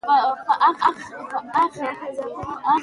د مصر اهرامونه له فضا ښکاري.